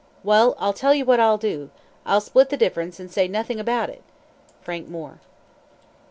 "Well, I'll tell you what I'll do: I'll split the difference and say nothing about it!" (Frank Moore.)